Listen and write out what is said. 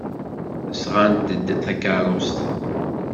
Sɣant-d takeṛṛust.